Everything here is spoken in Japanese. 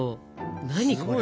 何これ。